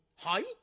はい？